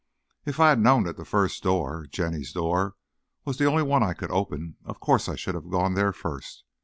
"If I'd known that the first door, Jenny's door, was the only one I could open, of course I should have gone there first.